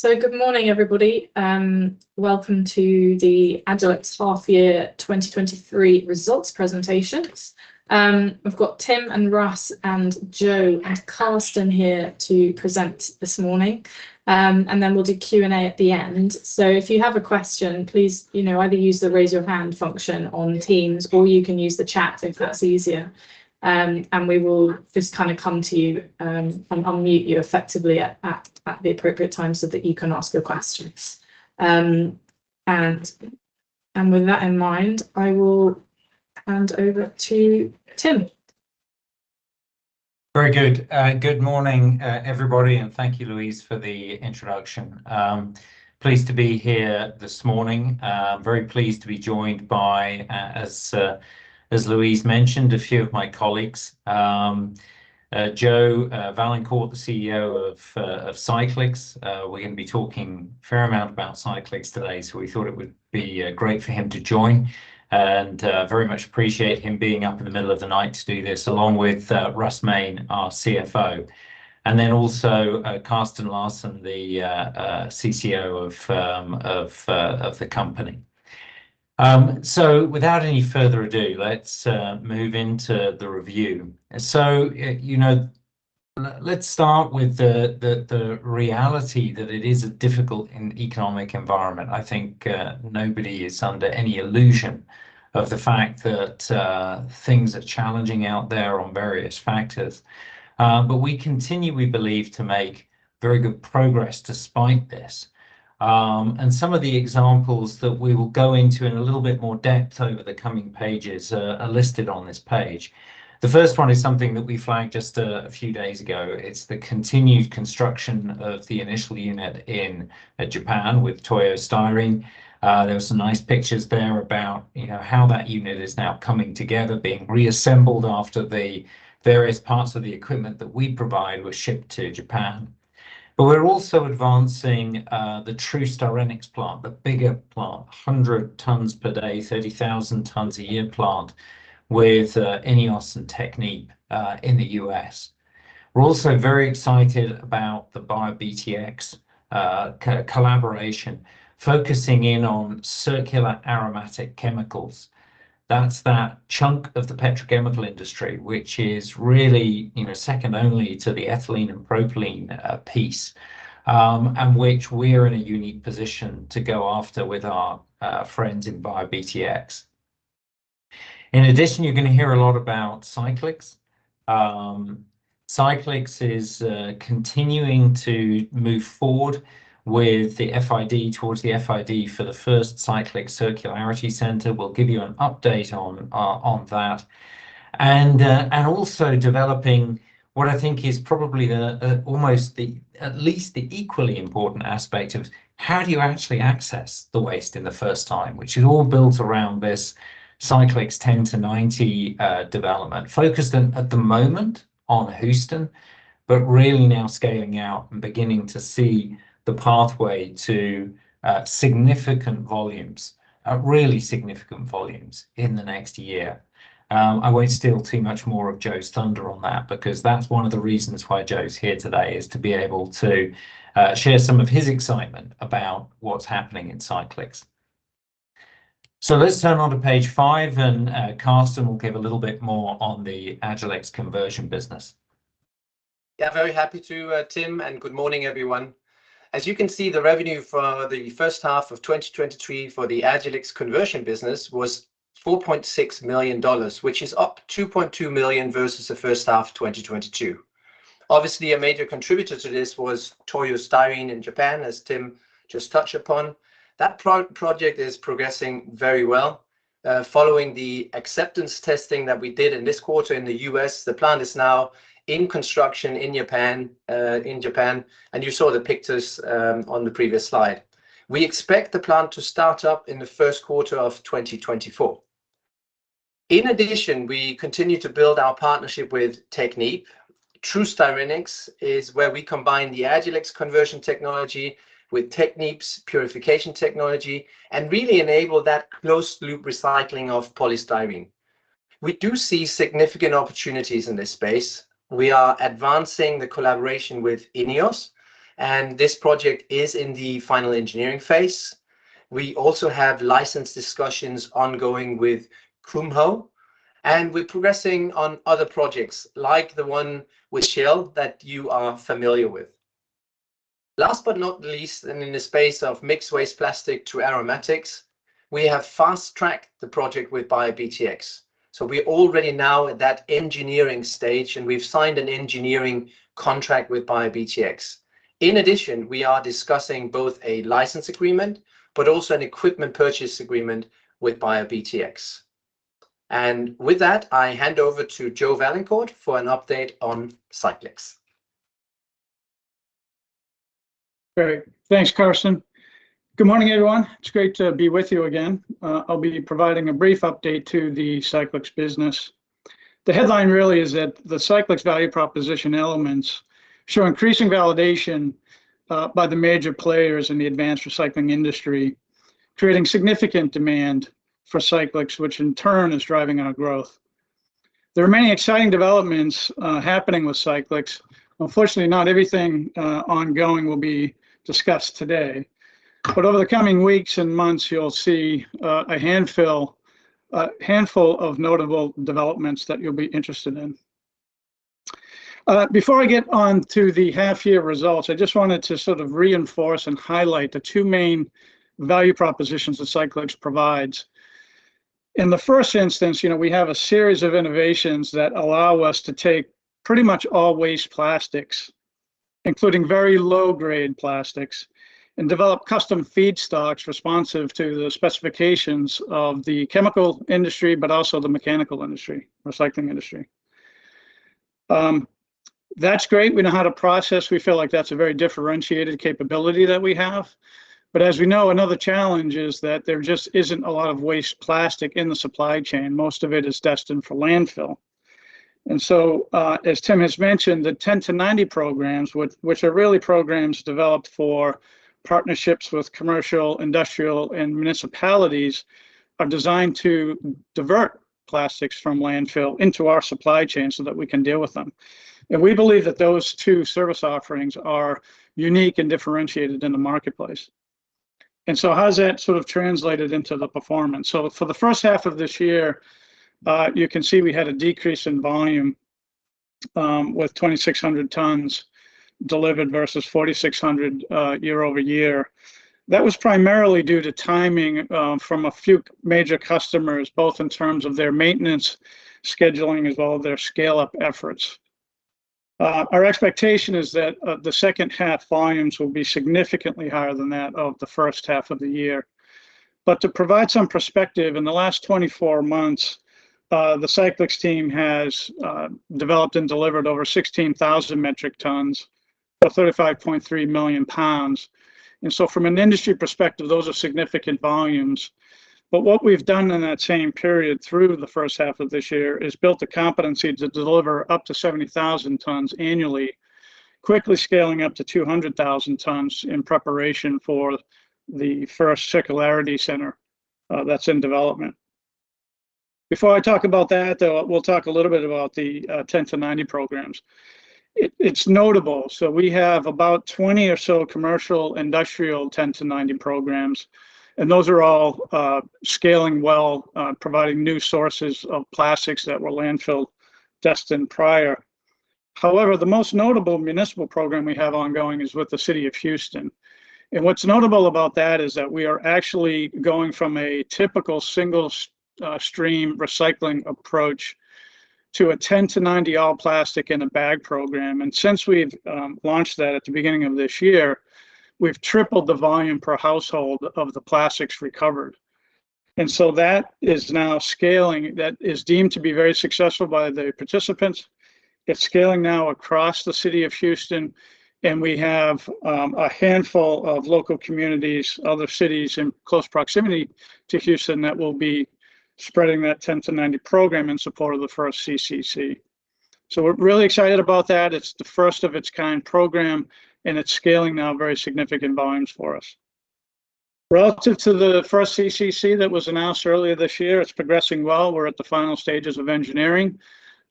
Good morning, everybody, welcome to the Agilyx Half Year 2023 results presentations. We've got Tim and Russ and Joe and Carsten here to present this morning. Then we'll do Q&A at the end. If you have a question, please, you know, either use the Raise Your Hand function on Teams, or you can use the chat if that's easier. We will just kind of come to you and unmute you effectively at, at, at the appropriate time so that you can ask your questions. With that in mind, I will hand over to Tim. Very good. Good morning, everybody, and thank you, Louise, for the introduction. Pleased to be here this morning. Very pleased to be joined by, as Louise mentioned, a few of my colleagues, Joe Vaillancourt, the CEO of Cyclyx. We're gonna be talking a fair amount about Cyclyx today, so we thought it would be great for him to join, and very much appreciate him being up in the middle of the night to do this, along with Russ Main, our CFO, and then also Carsten Larsen, the CCO of the company. So without any further ado, let's move into the review. So, you know, let's start with the reality that it is a difficult and economic environment. I think nobody is under any illusion of the fact that things are challenging out there on various factors. We continue, we believe, to make very good progress despite this. Some of the examples that we will go into in a little bit more depth over the coming pages are, are listed on this page. The first one is something that we flagged just a few days ago. It's the continued construction of the initial unit in Japan with Toyo Styrene. Some nice pictures there about, you know, how that unit is now coming together, being reassembled after the various parts of the equipment that we provide were shipped to Japan. We're also advancing, the TruStyrenyx plant, the bigger plant, 100 tons per day, 30,000 tons a year plant with INEOS and Technip in the U.S. We're also very excited about the BioBTX collaboration, focusing in on circular aromatic chemicals. That's that chunk of the petrochemical industry, which is really, you know, second only to the ethylene and propylene piece, and which we're in a unique position to go after with our friends in BioBTX. In addition, you're gonna hear a lot about Cyclyx. Cyclyx is continuing to move forward with the FID, towards the FID for the first Cyclyx Circularity Center. We'll give you an update on that. Also developing what I think is probably the almost the, at least the equally important aspect of: how do you actually access the waste in the first time? Which is all built around this Cyclyx 10-90 development, focused on, at the moment, on Houston, but really now scaling out and beginning to see the pathway to significant volumes, really significant volumes in the next year. I won't steal too much more of Joe's thunder on that, because that's one of the reasons why Joe's here today, is to be able to share some of his excitement about what's happening in Cyclyx. Let's turn on to page 5, and Carsten will give a little bit more on the Agilyx conversion business. Yeah, very happy to, Tim, and good morning, everyone. As you can see, the revenue for the first half of 2023 for the Agilyx conversion business was $4.6 million, which is up $2.2 million versus the first half of 2022. Obviously, a major contributor to this was Toyo Styrene in Japan, as Tim just touched upon. That project is progressing very well. Following the acceptance testing that we did in this quarter in the US, the plant is now in construction in Japan, in Japan, and you saw the pictures on the previous slide. We expect the plant to start up in the first quarter of 2024. In addition, we continue to build our partnership with Technip. TruStyrenyx is where we combine the Agilyx conversion technology with Technip's purification technology and really enable that closed-loop recycling of polystyrene. We do see significant opportunities in this space. We are advancing the collaboration with INEOS. This project is in the final engineering phase. We also have license discussions ongoing with Kumho. We're progressing on other projects, like the one with Shell that you are familiar with. Last but not least, in the space of mixed waste plastic to aromatics, we have fast-tracked the project with BioBTX. We're already now at that engineering stage. We've signed an engineering contract with BioBTX. In addition, we are discussing both a license agreement but also an equipment purchase agreement with BioBTX. With that, I hand over to Joe Vaillancourt for an update on Cyclyx. Great. Thanks, Carsten. Good morning, everyone. It's great to be with you again. I'll be providing a brief update to the Cyclyx business. The headline really is that the Cyclyx value proposition elements show increasing validation by the major players in the advanced recycling industry, creating significant demand for Cyclyx, which in turn is driving our growth. There are many exciting developments happening with Cyclyx. Unfortunately, not everything ongoing will be discussed today but over the coming weeks and months, you'll see a handful of notable developments that you'll be interested in. Before I get on to the half-year results, I just wanted to sort of reinforce and highlight the two main value propositions that Cyclyx provides. In the first instance, you know, we have a series of innovations that allow us to take pretty much all waste plastics, including very low-grade plastics, and develop custom feedstocks responsive to the specifications of the chemical industry, but also the mechanical industry, recycling industry. That's great. We know how to process. We feel like that's a very differentiated capability that we have, but as we know, another challenge is that there just isn't a lot of waste plastic in the supply chain. Most of it is destined for landfill. So, as Tim has mentioned, the 10-90 programs, which, which are really programs developed for partnerships with commercial, industrial, and municipalities, are designed to divert plastics from landfill into our supply chain so that we can deal with them. We believe that those two service offerings are unique and differentiated in the marketplace. How has that sort of translated into the performance? For the first half of this year, you can see we had a decrease in volume, with 2,600 tons delivered versus 4,600 year-over-year. That was primarily due to timing from a few major customers, both in terms of their maintenance scheduling, as well as their scale-up efforts. Our expectation is that the second half volumes will be significantly higher than that of the first half of the year. To provide some perspective, in the last 24 months, the Cyclyx team has developed and delivered over 16,000 metric tons, or 35.3 million pounds. From an industry perspective, those are significant volumes. What we've done in that same period through the first half of this year is built the competency to deliver up to 70,000 tons annually, quickly scaling up to 200,000 tons in preparation for the first Circularity Center that's in development. Before I talk about that, though, we'll talk a little bit about the 10-90 programs. It's notable, so we have about 20 or so commercial, industrial 10-90 programs, and those are all scaling well, providing new sources of plastics that were landfill destined prior. However, the most notable municipal program we have ongoing is with the city of Houston, and what's notable about that is that we are actually going from a typical single-stream recycling approach to a 10-90 all plastic in a bag program. Since we've launched that at the beginning of this year, we've tripled the volume per household of the plastics recovered. That is now scaling... That is deemed to be very successful by the participants. It's scaling now across the city of Houston, and we have a handful of local communities, other cities in close proximity to Houston, that will be spreading that 10-90 program in support of the first CCC. We're really excited about that. It's the first of its kind program, and it's scaling now very significant volumes for us. Relative to the first CCC that was announced earlier this year, it's progressing well. We're at the final stages of engineering.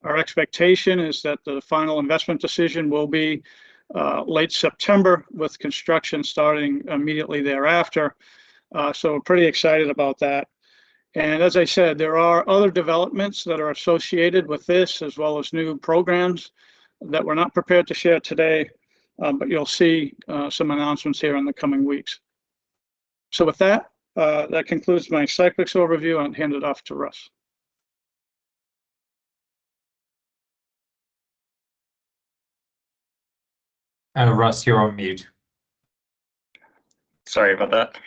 Our expectation is that the final investment decision will be late September, with construction starting immediately thereafter. Pretty excited about that. As I said, there are other developments that are associated with this, as well as new programs that we're not prepared to share today, but you'll see some announcements here in the coming weeks. With that, that concludes my Cyclyx overview, and I'll hand it off to Russ. Russ, you're on mute. Sorry about that.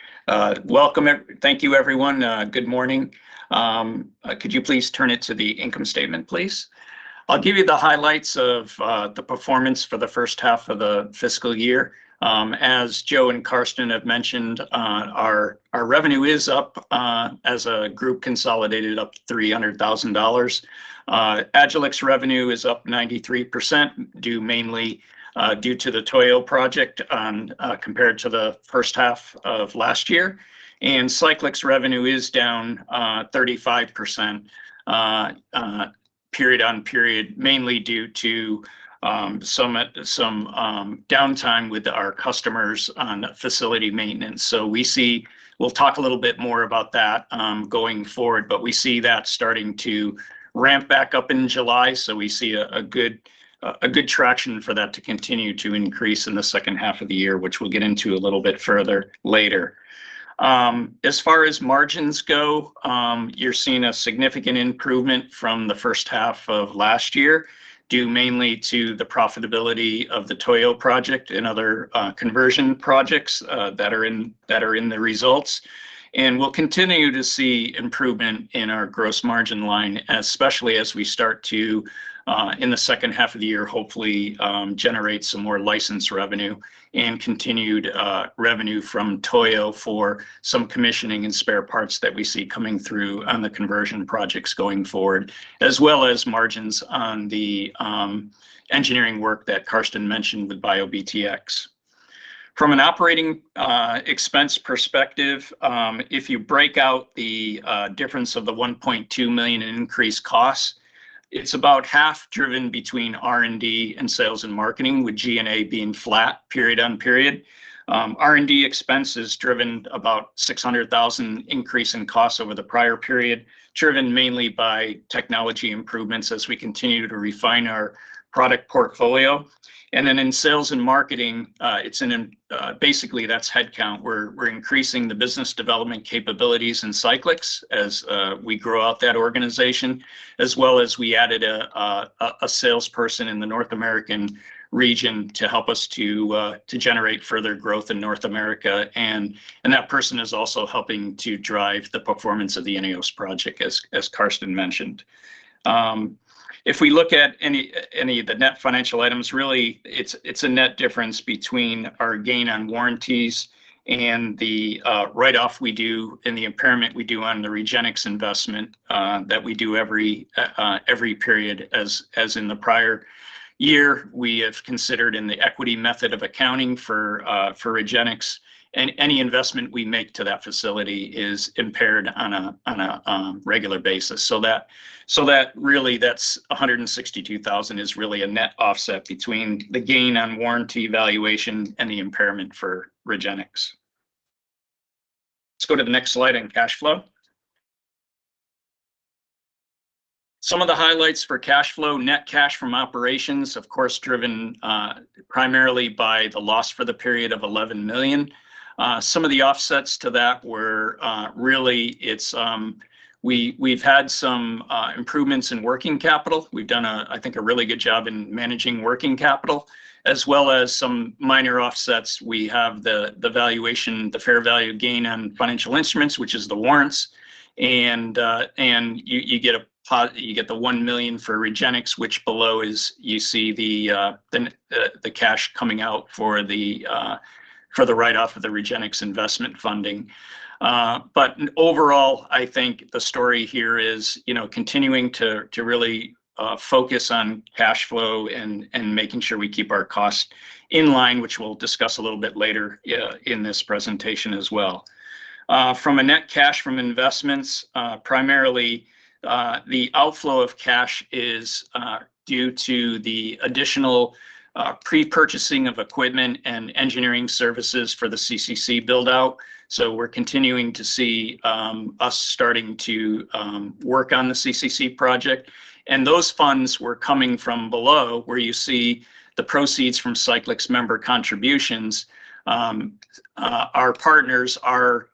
Welcome, thank you, everyone. Good morning. Could you please turn it to the income statement, please? I'll give you the highlights of the performance for the first half of the fiscal year. As Joe and Carsten have mentioned, our, our revenue is up, as a group, consolidated up $300,000. Agilyx revenue is up 93%, due mainly due to the Toyo project, compared to the first half of last year. Cyclyx revenue is down 35%, period on period, mainly due to some downtime with our customers on facility maintenance. We see... We'll talk a little bit more about that going forward. We see that starting to ramp back up in July. We see a good traction for that to continue to increase in the second half of the year, which we'll get into a little bit further later. As far as margins go, you're seeing a significant improvement from the first half of last year, due mainly to the profitability of the Toyo project and other conversion projects that are in the results. We'll continue to see improvement in our gross margin line, especially as we start to in the second half of the year, hopefully, generate some more license revenue and continued revenue from Toyo for some commissioning and spare parts that we see coming through on the conversion projects going forward. As well as margins on the engineering work that Carsten mentioned with BioBTX. From an operating expense perspective, if you break out the difference of the $1.2 million in increased costs, it's about half driven between R&D and sales and marketing, with G&A being flat, period on period. R&D expenses driven about $600,000 increase in costs over the prior period, driven mainly by technology improvements as we continue to refine our product portfolio. Then in sales and marketing, basically, that's headcount. We're, we're increasing the business development capabilities in Cyclyx as we grow out that organization, as well as we added a salesperson in the North American region to help us to generate further growth in North America. That person is also helping to drive the performance of the INEOS project, as Carsten mentioned. If we look at any of the net financial items, really, it's a net difference between our gain on warranties and the write-off we do and the impairment we do on the Regenyx investment that we do every period. As in the prior year, we have considered in the equity method of accounting for Regenyx, and any investment we make to that facility is impaired on a regular basis. That really, that's $162,000 is really a net offset between the gain on warranty valuation and the impairment for Regenyx. Let's go to the next slide in cash flow. Some of the highlights for cash flow. Net cash from operations, of course, driven primarily by the loss for the period of $11 million. Some of the offsets to that were, really, it's, we, we've had some improvements in working capital. We've done a, I think, a really good job in managing working capital, as well as some minor offsets. We have the, the valuation, the fair value gain on financial instruments, which is the warrants. You, you get $1 million for Regenyx, which below is... You see the cash coming out for the write-off of the Regenyx investment funding. Overall, I think the story here is, you know, continuing to, to really focus on cash flow and, and making sure we keep our costs in line, which we'll discuss a little bit later in this presentation as well. From a net cash from investments, primarily, the outflow of cash is due to the additional pre-purchasing of equipment and engineering services for the CCC build-out. We're continuing to see us starting to work on the CCC project, and those funds were coming from below, where you see the proceeds from Cyclyx member contributions. Our partners are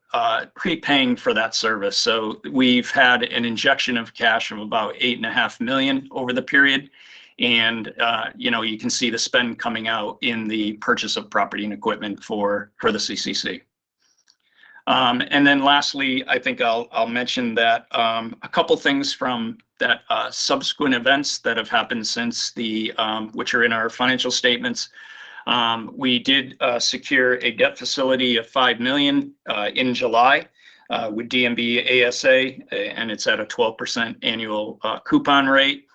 prepaying for that service, so we've had an injection of cash of about $8.5 million over the period. You know, you can see the spend coming out in the purchase of property and equipment for the CCC. Lastly, I think I'll, I'll mention that a couple things from that subsequent events that have happened since the which are in our financial statements. We did secure a debt facility of $5 million in July with DNB ASA, and it's at a 12% annual coupon rate.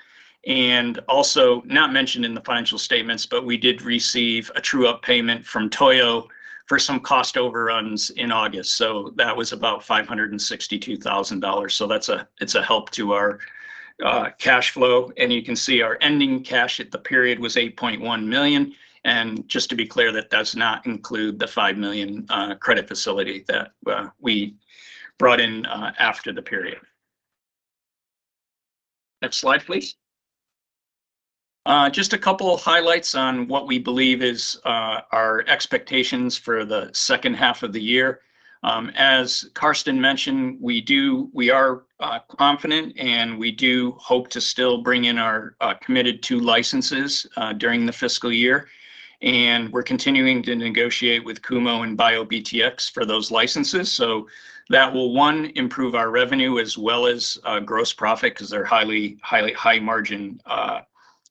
Also not mentioned in the financial statements, but we did receive a true-up payment from Toyo for some cost overruns in August, so that was about $562,000. That's a, it's a help to our cash flow, and you can see our ending cash at the period was $8.1 million. Just to be clear, that does not include the $5 million credit facility that we brought in after the period. Next slide, please. Just a couple of highlights on what we believe is our expectations for the second half of the year. As Carsten mentioned, we do we are confident, and we do hope to still bring in our committed two licenses during the fiscal year. We're continuing to negotiate with Kumo and BioBTX for those licenses, so that will, one, improve our revenue as well as gross profit 'cause they're highly, highly high-margin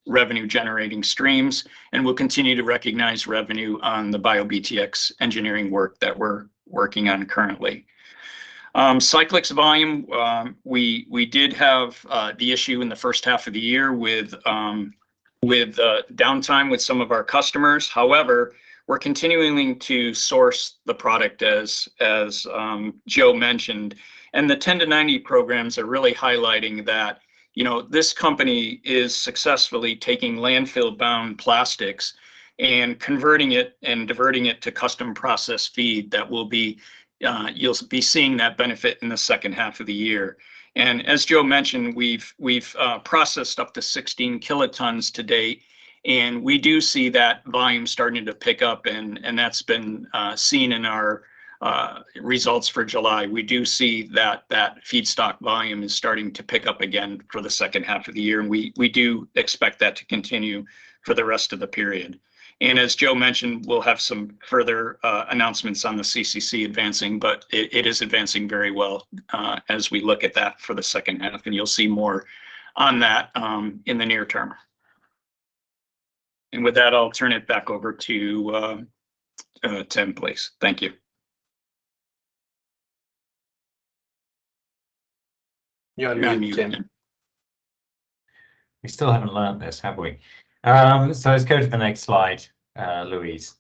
revenue-generating streams, and we'll continue to recognize revenue on the BioBTX engineering work that we're working on currently. Cyclyx volume, we, we did have the issue in the 1st half of the year with downtime with some of our customers. However, we're continuing to source the product, as, as Joe mentioned, and the 10 to 90 programs are really highlighting that, you know, this company is successfully taking landfill-bound plastics and converting it and diverting it to custom process feed. That will be, you'll be seeing that benefit in the second half of the year. As Joe mentioned, we've, we've processed up to 16 kilotons to date, and we do see that volume starting to pick up, and, and that's been seen in our results for July. We do see that that feedstock volume is starting to pick up again for the second half of the year, we, we do expect that to continue for the rest of the period. As Joe mentioned, we'll have some further announcements on the CCC advancing, but it, it is advancing very well as we look at that for the second half, and you'll see more on that in the near term. With that, I'll turn it back over to Tim, please. Thank you. ... You're on mute, Tim. We still haven't learned this, have we? Let's go to the next slide, Louise.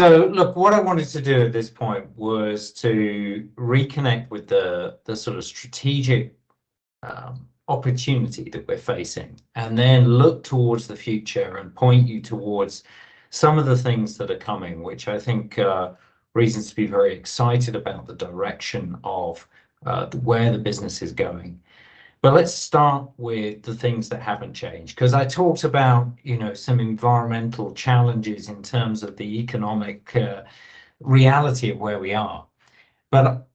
Look, what I wanted to do at this point was to reconnect with the, the sort of strategic opportunity that we're facing, and then look towards the future and point you towards some of the things that are coming, which I think are reasons to be very excited about the direction of where the business is going. Let's start with the things that haven't changed, 'cause I talked about, you know, some environmental challenges in terms of the economic reality of where we are.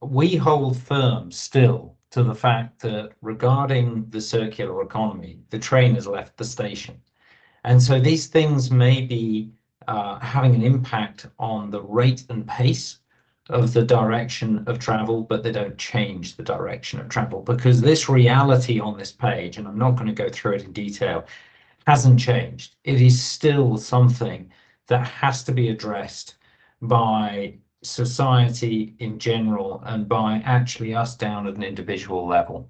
We hold firm still to the fact that regarding the circular economy, the train has left the station. These things may be having an impact on the rate and pace of the direction of travel, but they don't change the direction of travel. This reality on this page, and I'm not gonna go through it in detail, hasn't changed. It is still something that has to be addressed by society in general and by actually us down at an individual level.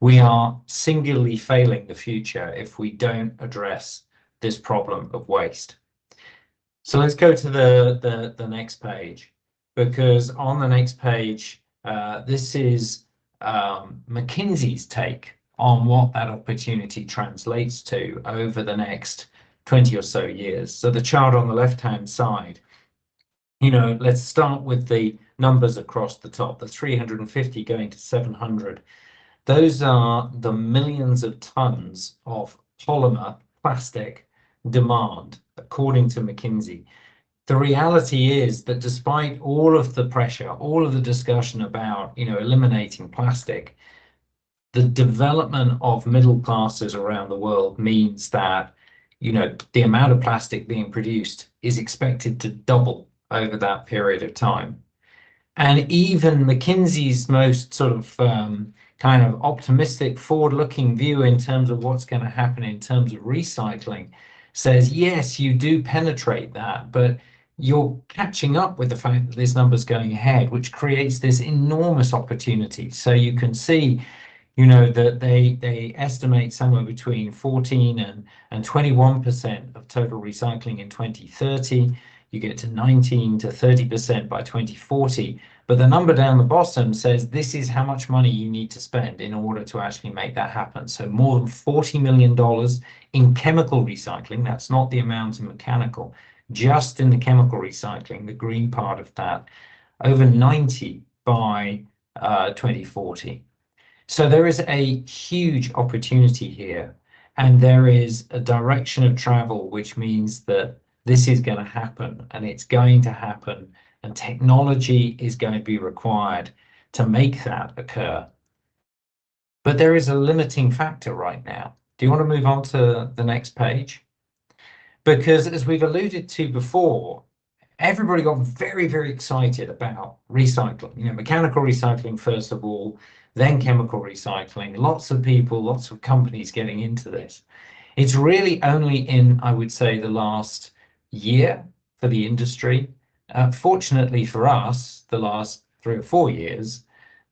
We are singularly failing the future if we don't address this problem of waste. Let's go to the, the, the next page, because on the next page, this is McKinsey's take on what that opportunity translates to over the next 20 or so years. The chart on the left-hand side, you know, let's start with the numbers across the top, the 350 going to 700. Those are the millions of tons of polymer plastic demand, according to McKinsey. The reality is that despite all of the pressure, all of the discussion about, you know, eliminating plastic, the development of middle classes around the world means that, you know, the amount of plastic being produced is expected to double over that period of time. Even McKinsey's most sort of, kind of optimistic, forward-looking view in terms of what's gonna happen in terms of recycling says, "Yes, you do penetrate that, but you're catching up with the fact that this number's going ahead, which creates this enormous opportunity." You can see, you know, that they, they estimate somewhere between 14%-21% of total recycling in 2030. You get to 19%-30% by 2040. The number down the bottom says this is how much money you need to spend in order to actually make that happen. More than $40 million in chemical recycling, that's not the amount in mechanical, just in the chemical recycling, the green part of that, over 90 by 2040. There is a huge opportunity here, and there is a direction of travel, which means that this is gonna happen, and it's going to happen, and technology is gonna be required to make that occur. There is a limiting factor right now. Do you wanna move on to the next page? As we've alluded to before, everybody got very, very excited about recycling, you know, mechanical recycling, first of all, then chemical recycling. Lots of people, lots of companies getting into this. It's really only in, I would say, the last year for the industry, fortunately for us, the last three or four years,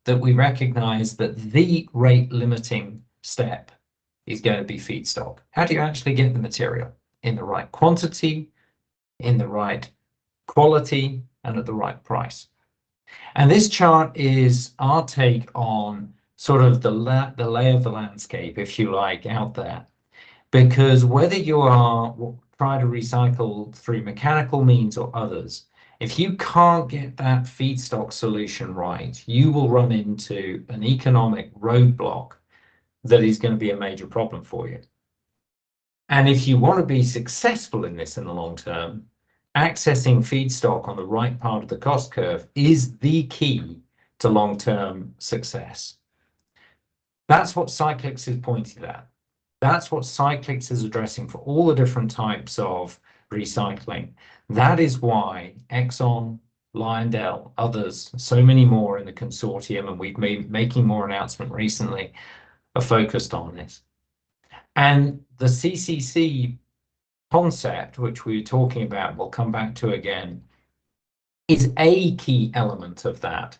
that we recognize that the rate-limiting step is gonna be feedstock. How do you actually get the material in the right quantity, in the right quality, and at the right price? This chart is our take on sort of the lay of the landscape, if you like, out there, because whether you are trying to recycle through mechanical means or others, if you can't get that feedstock solution right, you will run into an economic roadblock that is gonna be a major problem for you. If you wanna be successful in this in the long term, accessing feedstock on the right part of the cost curve is the key to long-term success. That's what Cyclyx is pointing at. That's what Cyclyx is addressing for all the different types of recycling. That is why ExxonMobil, LyondellBasell, others, so many more in the consortium, making more announcement recently, are focused on this. The CCC concept, which we were talking about, we'll come back to again, is a key element of that,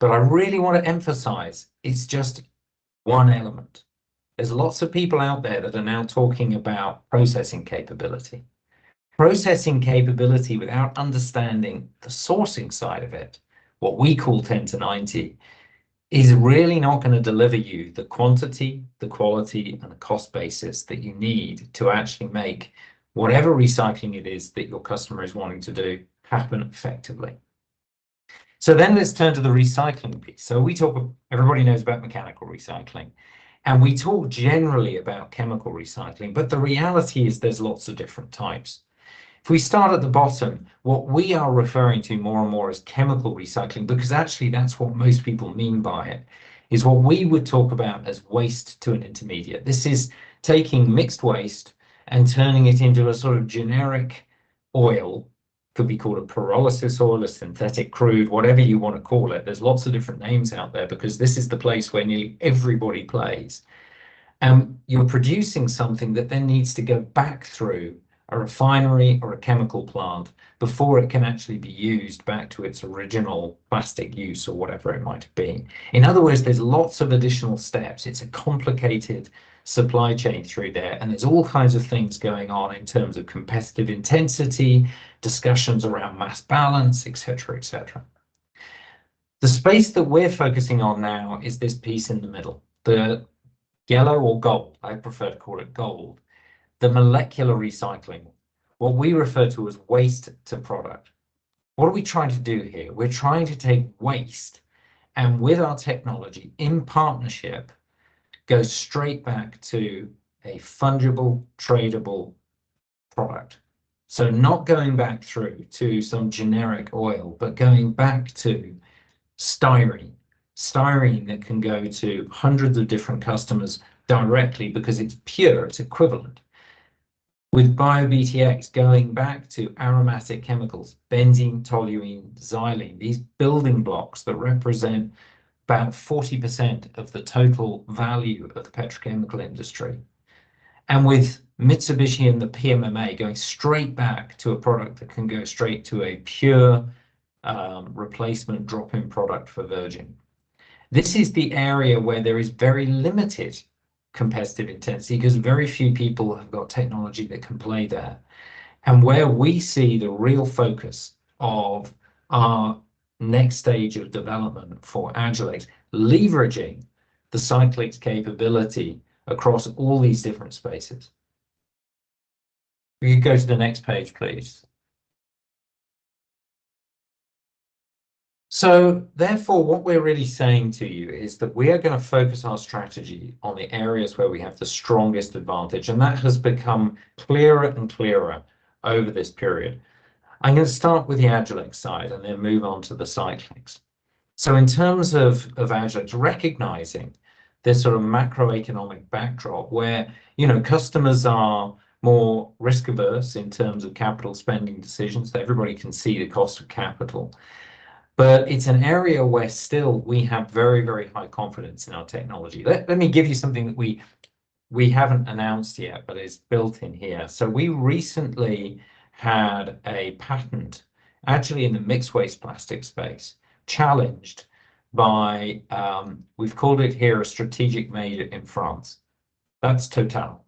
but I really wanna emphasize it's just one element. There's lots of people out there that are now talking about processing capability. Processing capability without understanding the sourcing side of it, what we call 10-90, is really not gonna deliver you the quantity, the quality, and the cost basis that you need to actually make whatever recycling it is that your customer is wanting to do, happen effectively. Let's turn to the recycling piece. We talk... Everybody knows about mechanical recycling, and we talk generally about chemical recycling, but the reality is there's lots of different types. If we start at the bottom, what we are referring to more and more as chemical recycling, because actually, that's what most people mean by it, is what we would talk about as waste to an intermediate. This is taking mixed waste and turning it into a sort of generic oil, could be called a pyrolysis oil, a synthetic crude, whatever you wanna call it. There's lots of different names out there, because this is the place where nearly everybody plays. You're producing something that then needs to go back through a refinery or a chemical plant before it can actually be used back to its original plastic use or whatever it might have been. In other words, there's lots of additional steps. It's a complicated supply chain through there. There's all kinds of things going on in terms of competitive intensity, discussions around mass balance, et cetera, et cetera. The space that we're focusing on now is this piece in the middle, the yellow or gold, I prefer to call it gold, the molecular recycling, what we refer to as waste to product. What are we trying to do here? We're trying to take waste, with our technology, in partnership, go straight back to a fungible, tradable product. Not going back through to some generic oil, but going back to styrene, styrene that can go to hundreds of different customers directly because it's pure, it's equivalent. With BioBTX, going back to aromatic chemicals, benzene, toluene, xylene, these building blocks that represent about 40% of the total value of the petrochemical industry, and with Mitsubishi and the PMMA, going straight back to a product that can go straight to a pure replacement drop-in product for virgin. This is the area where there is very limited competitive intensity, because very few people have got technology that can play there, and where we see the real focus of our next stage of development for Agilyx, leveraging the Cyclyx capability across all these different spaces. Will you go to the next page, please? Therefore, what we're really saying to you is that we are gonna focus our strategy on the areas where we have the strongest advantage, and that has become clearer and clearer over this period. I'm gonna start with the Agilyx side and then move on to the Cyclyx. In terms of Agilyx, recognizing this sort of macroeconomic backdrop where, you know, customers are more risk-averse in terms of capital spending decisions, everybody can see the cost of capital, but it's an area where still we have very, very high confidence in our technology. Let me give you something that we haven't announced yet, but it's built in here. We recently had a patent, actually, in the mixed waste plastic space, challenged by, we've called it here a strategic major in France. That's TotalEnergies.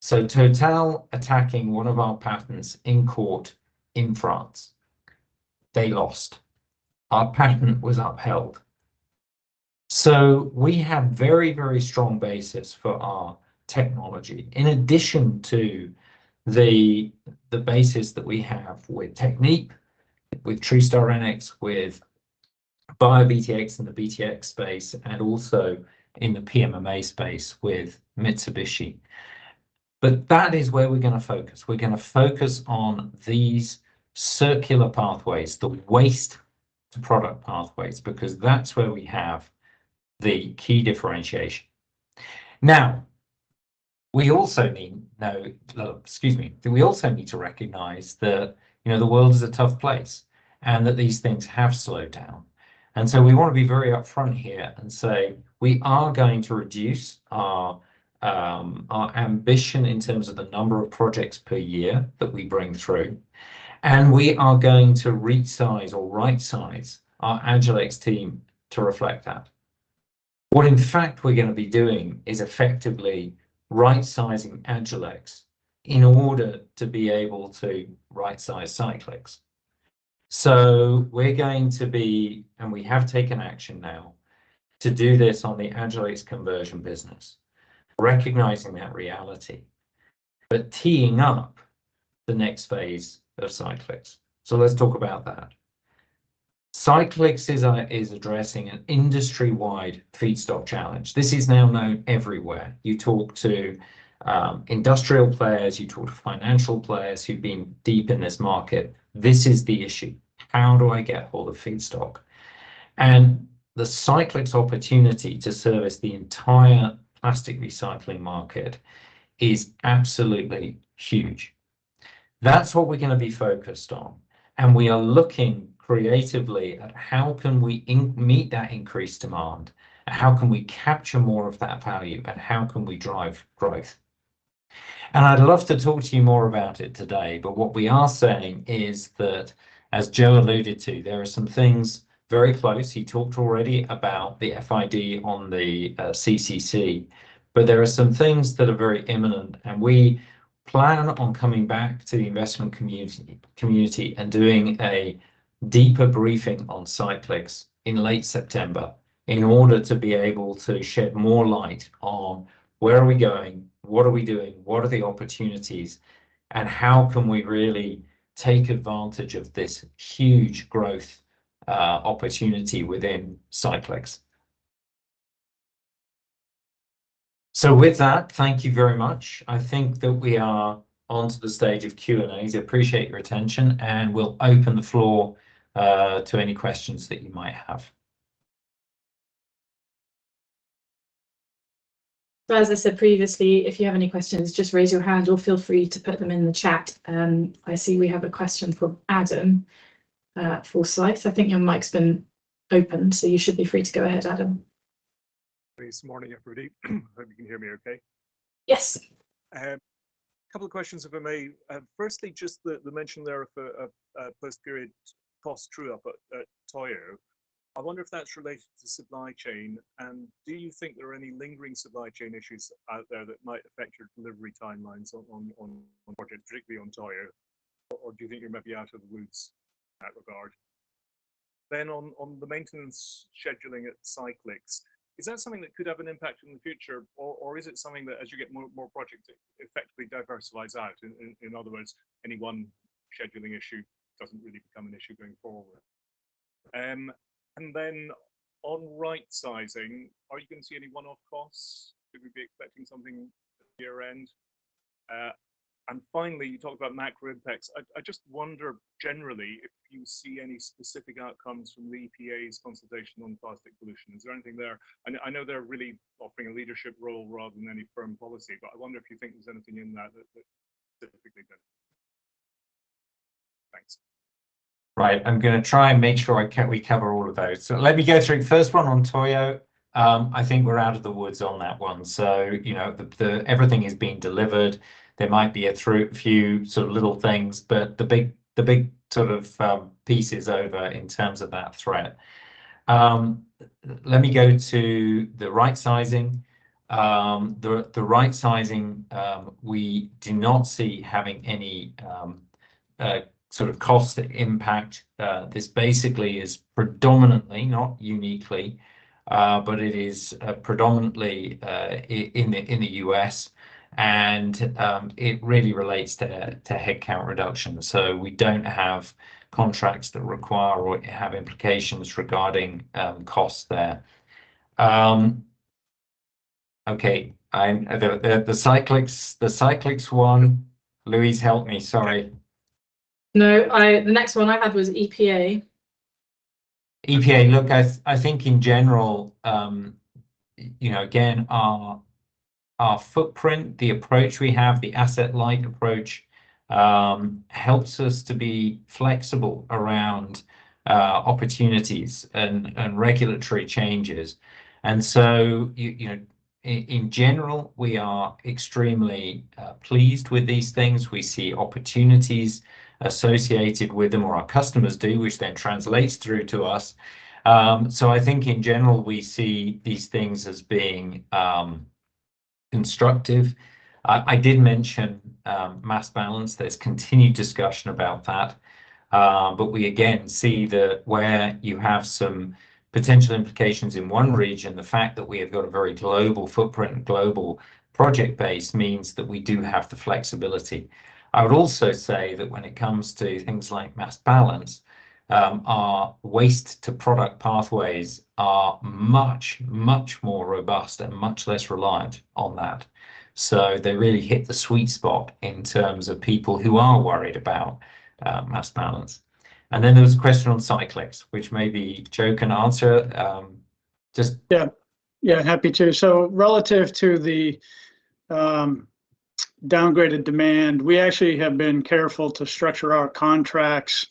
TotalEnergies attacking one of our patents in court in France. They lost. Our patent was upheld. We have very, very strong basis for our technology, in addition to the, the basis that we have with Technique, with TruStyrenyx, with BioBTX in the BTX space, and also in the PMMA space with Mitsubishi. That is where we're gonna focus. We're gonna focus on these circular pathways, the waste-to-product pathways, because that's where we have the key differentiation. We also need to recognize that, you know, the world is a tough place, and that these things have slowed down. We want to be very upfront here and say we are going to reduce our ambition in terms of the number of projects per year that we bring through, and we are going to resize or right-size our Agilyx team to reflect that. What, in fact, we're gonna be doing is effectively right-sizing Agilyx in order to be able to right-size Cyclyx. We're going to be, and we have taken action now, to do this on the Agilyx conversion business, recognizing that reality, but teeing up the next phase of Cyclyx. Let's talk about that. Cyclyx is addressing an industry-wide feedstock challenge. This is now known everywhere. You talk to industrial players, you talk to financial players who've been deep in this market, this is the issue: how do I get all the feedstock? The Cyclyx opportunity to service the entire plastic recycling market is absolutely huge. That's what we're gonna be focused on, and we are looking creatively at how can we meet that increased demand, and how can we capture more of that value, and how can we drive growth? I'd love to talk to you more about it today, but what we are saying is that, as Joe alluded to, there are some things very close. He talked already about the FID on the CCC, but there are some things that are very imminent, and we plan on coming back to the investment community and doing a deeper briefing on Cyclyx in late September, in order to be able to shed more light on where are we going, what are we doing, what are the opportunities, and how can we really take advantage of this huge growth opportunity within Cyclyx. With that, thank you very much. I think that we are on to the stage of Q&As. I appreciate your attention, and we'll open the floor to any questions that you might have. As I said previously, if you have any questions, just raise your hand or feel free to put them in the chat. I see we have a question from Adam for Slides. I think your mic's been open, so you should be free to go ahead, Adam. Thanks. Morning, everybody. Hope you can hear me okay. Yes. I have a couple of questions, if I may. Firstly, just the, the mention there of a, a, a post-period cost true-up at, at Toyo. I wonder if that's related to supply chain, and do you think there are any lingering supply chain issues out there that might affect your delivery timelines on, on, on, on projects strictly on Toyo, or, or do you think you might be out of the woods in that regard? On, on the maintenance scheduling at Cyclyx, is that something that could have an impact in the future, or, or is it something that as you get more, more projects, it effectively diversifies out? In, in, in other words, any one scheduling issue doesn't really become an issue going forward. Then on right-sizing, are you gonna see any one-off costs? Should we be expecting something at year-end? Finally, you talked about macro impacts. I just wonder, generally, if you see any specific outcomes from the EPA's consultation on plastic pollution. Is there anything there? I know they're really offering a leadership role rather than any firm policy, but I wonder if you think there's anything in that specifically good. Thanks. Right. I'm gonna try and make sure I we cover all of those. Let me go through. First one on Toyo, I think we're out of the woods on that one, so, you know, the, the, everything is being delivered. There might be a few sort of little things, but the big, the big sort of piece is over in terms of that threat. Let me go to the right-sizing. The, the right-sizing, we do not see having any sort of cost impact. This basically is predominantly, not uniquely, but it is predominantly in the, in the US, and it really relates to headcount reduction. We don't have contracts that require or have implications regarding costs there. Okay, I'm... Cyclyx, the Cyclyx one, Louise, help me, sorry. No, I, the next one I had was EPA. EPA. Look, I, I think in general, you know, again, our, our footprint, the approach we have, the asset light approach, helps us to be flexible around opportunities and regulatory changes. You know, in general, we are extremely pleased with these things. We see opportunities associated with them, or our customers do, which then translates through to us. I think in general, we see these things as being constructive. I did mention mass balance. There's continued discussion about that, but we again see that where you have some potential implications in one region, the fact that we have got a very global footprint and global project base means that we do have the flexibility. I would also say that when it comes to things like mass balance, our waste-to-product pathways are much, much more robust and much less reliant on that. They really hit the sweet spot in terms of people who are worried about mass balance. There was a question on Cyclyx, which maybe Joe can answer. Yeah. Yeah, happy to. Relative to the downgraded demand, we actually have been careful to structure our contracts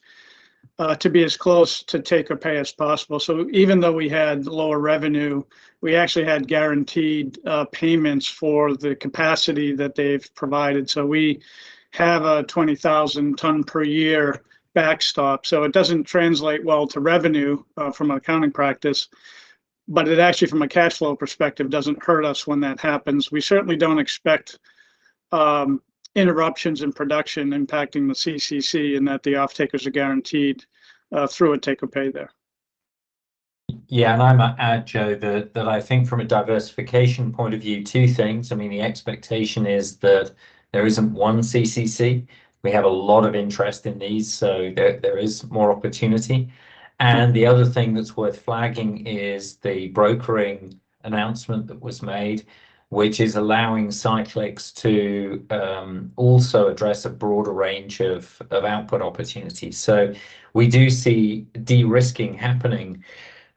to be as close to take or pay as possible. Even though we had lower revenue, we actually had guaranteed payments for the capacity that they've provided. We have a 20,000 ton per year backstop, so it doesn't translate well to revenue from an accounting practice, but it actually, from a cash flow perspective, doesn't hurt us when that happens. We certainly don't expect interruptions in production impacting the CCC and that the offtakers are guaranteed through a take or pay there. Yeah, I might add, Joe, that, that I think from a diversification point of view, two things. I mean, the expectation is that there isn't one CCC. We have a lot of interest in these, so there, there is more opportunity. The other thing that's worth flagging is the brokering announcement that was made, which is allowing Cyclyx to also address a broader range of, of output opportunities. We do see de-risking happening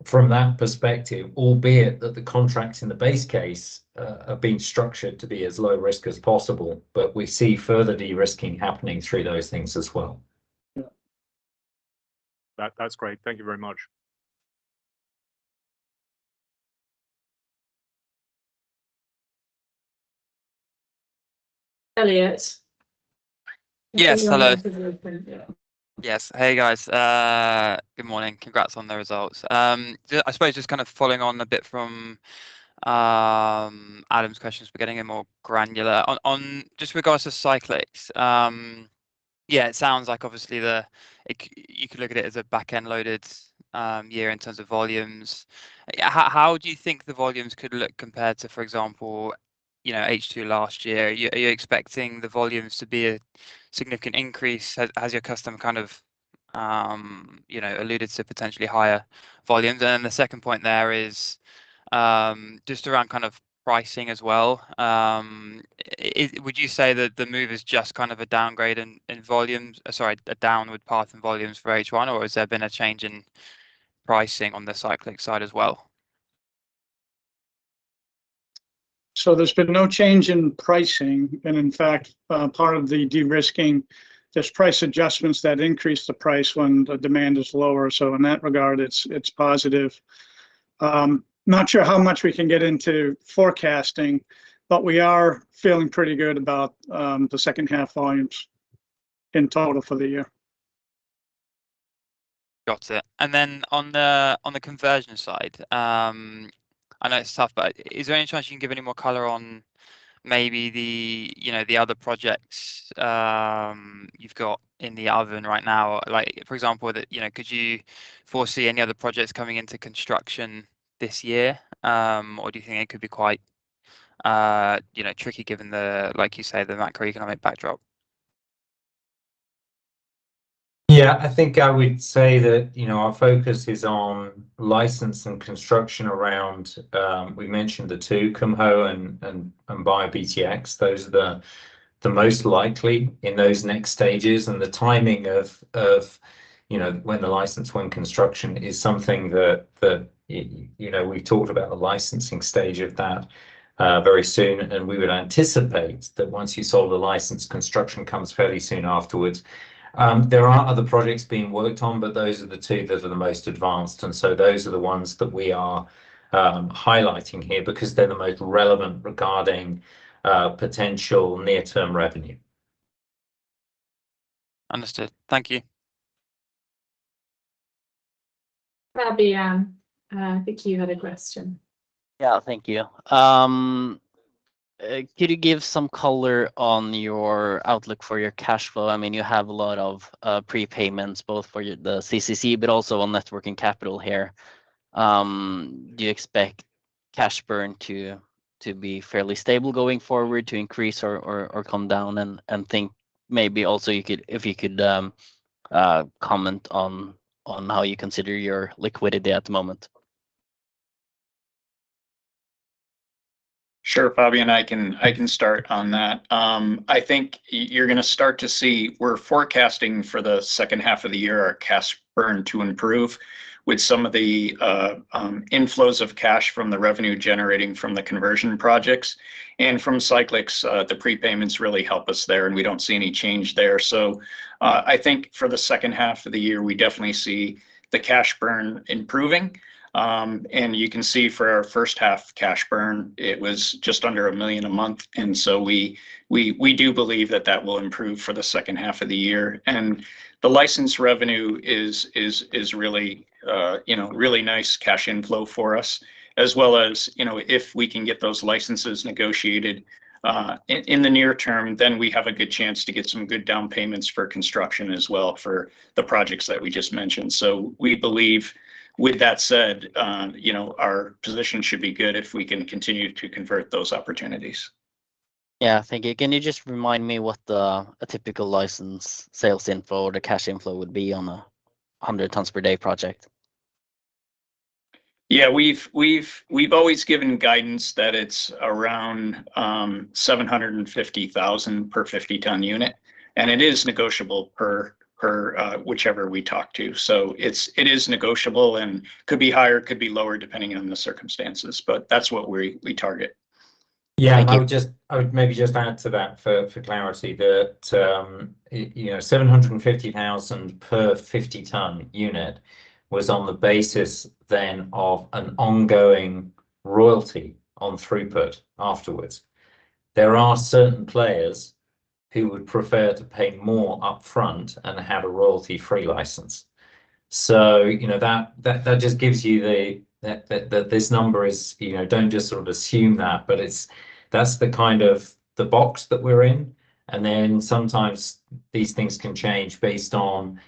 from that perspective, albeit that the contracts in the base case, are being structured to be as low risk as possible, but we see further de-risking happening through those things as well. Yeah. That, that's great. Thank you very much. Elliott? Yes, hello. Yeah. Yes, hey, guys. Good morning. Congrats on the results. I suppose just kind of following on a bit from Adam's questions, but getting in more granular. On, just regardless of Cyclyx, yeah, it sounds like obviously, you could look at it as a back-end loaded year in terms of volumes. How do you think the volumes could look compared to, for example, you know, H2 last year? Are you, are you expecting the volumes to be a significant increase as, as your customer kind of, you know, alluded to potentially higher volumes? Then the second point there is, just around kind of pricing as well. Would you say that the move is just kind of a downgrade in, in volumes, sorry, a downward path in volumes for H1, or has there been a change in pricing on the Cyclyx side as well? There's been no change in pricing, and in fact, part of the de-risking, there's price adjustments that increase the price when the demand is lower. In that regard, it's, it's positive. Not sure how much we can get into forecasting, but we are feeling pretty good about, the second half volumes in total for the year. Got it. Then on the, on the conversion side, I know it's tough, but is there any chance you can give any more color on maybe the, you know, the other projects, you've got in the oven right now? Like, for example, you know, could you foresee any other projects coming into construction this year? Or do you think it could be quite, you know, tricky given the, like you said, the macroeconomic backdrop? Yeah, I think I would say that, you know, our focus is on license and construction around, we mentioned the two, Kumho and BioBTX. Those are the most likely in those next stages, and the timing of, you know, when the license, when construction is something that, that, you know, we talked about the licensing stage of that very soon, and we would anticipate that once you solve the license, construction comes fairly soon afterwards. There are other projects being worked on, but those are the two that are the most advanced, and so those are the ones that we are highlighting here, because they're the most relevant regarding potential near-term revenue. Understood. Thank you. Fabian, I think you had a question? Yeah. Thank you. Could you give some color on your outlook for your cash flow? I mean, you have a lot of prepayments, both for your, the CCC, but also on net working capital here. Do you expect cash burn to, to be fairly stable going forward, to increase or, or, or come down and, and think maybe also you could- if you could comment on, on how you consider your liquidity at the moment? Sure, Fabian, I can, I can start on that. I think you're gonna start to see, we're forecasting for the second half of the year, our cash burn to improve with some of the inflows of cash from the revenue generating from the conversion projects and from Cyclyx, the prepayments really help us there, and we don't see any change there. I think for the second half of the year, we definitely see the cash burn improving. You can see for our first half cash burn, it was just under $1 million a month, and so we, we, we do believe that that will improve for the second half of the year. The license revenue is, is, is really, you know, really nice cash inflow for us, as well as, you know, if we can get those licenses negotiated, in, in the near term, then we have a good chance to get some good down payments for construction as well for the projects that we just mentioned. We believe with that said, you know, our position should be good if we can continue to convert those opportunities. Yeah, thank you. Can you just remind me what the, a typical license sales inflow, the cash inflow would be on a 100 tons per day project? Yeah, we've, we've, we've always given guidance that it's around $750,000 per 50 ton unit, and it is negotiable per, per, whichever we talk to. It's, it is negotiable and could be higher, could be lower, depending on the circumstances, but that's what we, we target. Thank you. Yeah, I would just- I would maybe just add to that for, for clarity, that, you know, $750,000 per 50 ton unit was on the basis then of an ongoing royalty on throughput afterwards. There are certain players who would prefer to pay more upfront and have a royalty-free license. You know, that, that, that just gives you the, the, the, this number is... You know, don't just sort of assume that, but it's- that's the kind of the box that we're in, and then sometimes these things can change based on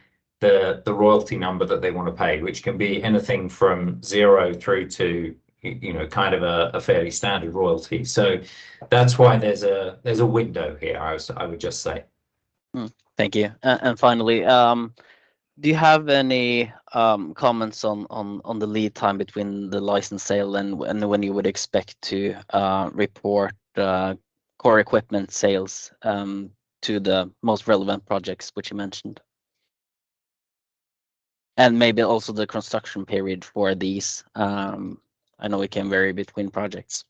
the, the royalty number that they want to pay, which can be anything from zero through to, you know, kind of a, a fairly standard royalty. That's why there's a, there's a window here, I would, I would just say. Thank you. Finally, do you have any comments on the lead time between the license sale and when you would expect to report the core equipment sales to the most relevant projects, which you mentioned? Maybe also the construction period for these? I know it can vary between projects.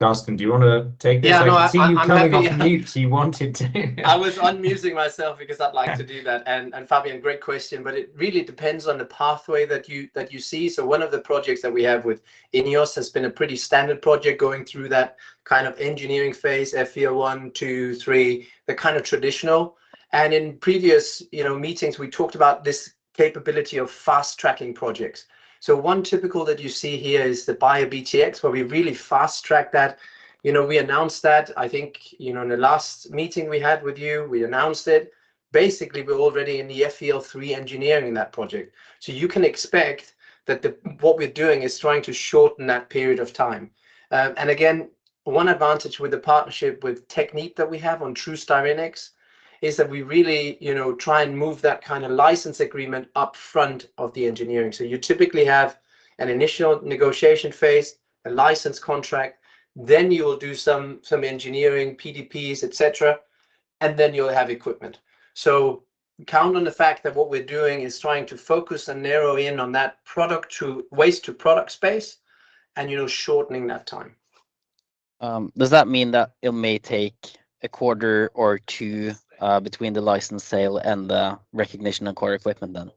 Carsten, do you want to take this? Yeah, no, I, I'm happy. I can see you coming off mute, so you wanted to. I was unmuting myself because I'd like to do that. Yeah. Fabian, great question, but it really depends on the pathway that you, that you see. One of the projects that we have with INEOS has been a pretty standard project going through that kind of engineering phase, FEL one, two, three, the kind of traditional. In previous, you know, meetings, we talked about this capability of fast-tracking projects. One typical that you see here is the BioBTX, where we really fast-tracked that. You know, we announced that, I think, you know, in the last meeting we had with you, we announced it. Basically, we're already in the FEL three engineering that project. You can expect that the, what we're doing is trying to shorten that period of time. Again, one advantage with the partnership with Technip that we have on TruStyrenyx, is that we really, you know, try and move that kind of license agreement upfront of the engineering. You typically have an initial negotiation phase, a license contract, then you will do some, some engineering, PDPs, et cetera. And then you'll have equipment. Count on the fact that what we're doing is trying to focus and narrow in on that waste-to-product space, and, you know, shortening that time. Does that mean that it may take a quarter or two, between the license sale and the recognition of core equipment then?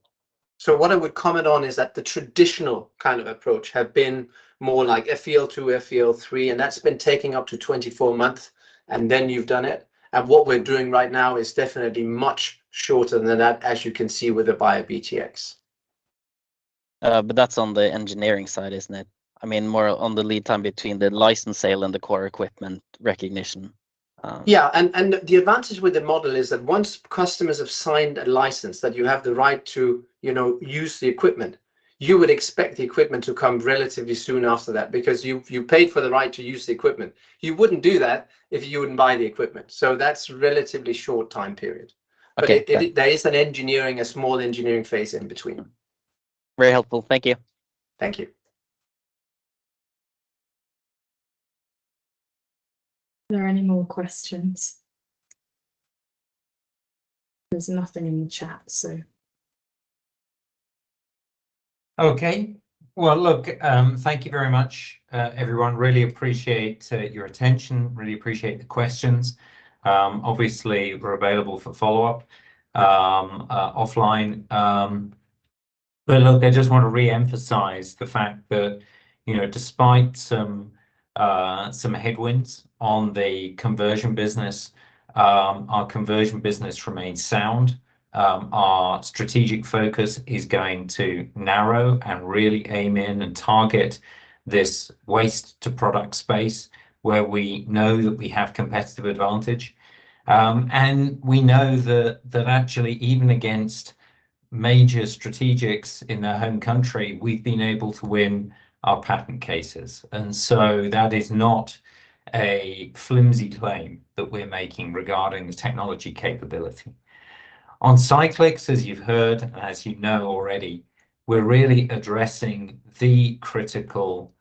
What I would comment on is that the traditional kind of approach have been more like FEL2, FEL3, and that's been taking up to 24 months, and then you've done it. What we're doing right now is definitely much shorter than that, as you can see with the BioBTX. That's on the engineering side, isn't it? I mean, more on the lead time between the license sale and the core equipment recognition. The advantage with the model is that once customers have signed a license, that you have the right to, you know, use the equipment, you would expect the equipment to come relatively soon after that because you, you paid for the right to use the equipment. You wouldn't do that if you wouldn't buy the equipment, so that's a relatively short time period. Okay. There is an engineering, a small engineering phase in between. Very helpful. Thank you. Thank you. Are there any more questions? There's nothing in the chat, so... Okay. Well, look, thank you very much, everyone. Really appreciate your attention. Really appreciate the questions. Obviously, we're available for follow-up offline. Look, I just want to reemphasize the fact that, you know, despite some headwinds on the conversion business, our conversion business remains sound. Our strategic focus is going to narrow and really aim in and target this waste-to-product space, where we know that we have competitive advantage. We know that, that actually, even against major strategics in their home country, we've been able to win our patent cases, and so that is not a flimsy claim that we're making regarding the technology capability. On Cyclyx, as you've heard, as you know already, we're really addressing the critical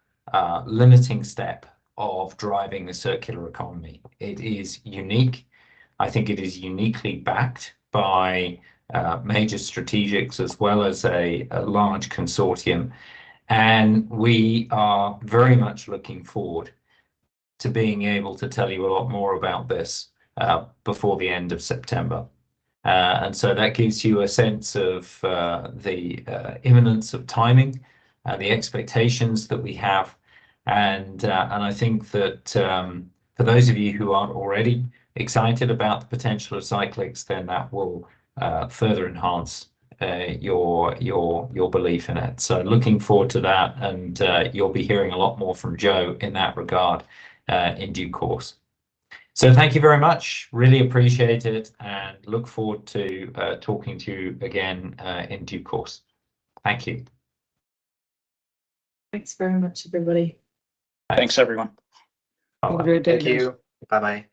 limiting step of driving the circular economy. It is unique. I think it is uniquely backed by major strategics as well as a, a large consortium. We are very much looking forward to being able to tell you a lot more about this before the end of September. That gives you a sense of the imminence of timing and the expectations that we have. I think that for those of you who aren't already excited about the potential of Cyclyx, then that will further enhance your, your, your belief in it. Looking forward to that, you'll be hearing a lot more from Joe in that regard in due course. Thank you very much. Really appreciate it, and look forward to talking to you again in due course. Thank you. Thanks very much, everybody. Thanks, everyone. Have a good day. Thank you. Bye-bye.